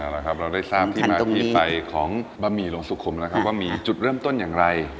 น่ารักครับเราได้ทราบมาที่ใบของบะหมี่หลวงสุขุมจุดเริ่มต้นอย่างไร